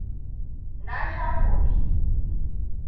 Na sha kofi.